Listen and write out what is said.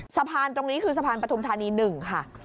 สะพานตรงนี้คือสะพานปฐุมธานี๑ค่ะ